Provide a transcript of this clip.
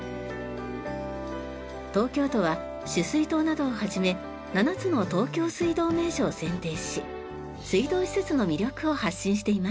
東京都は取水塔などをはじめ７つの東京水道名所を選定し水道施設の魅力を発信しています。